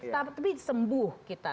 tapi sembuh kita